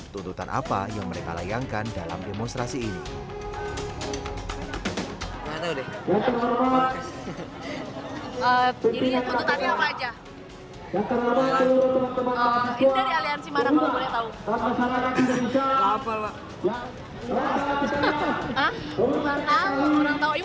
tuntutan apa yang mereka layankan dalam kejadian ini